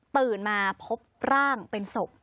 ตื่นมาพบร่างเป็นศพ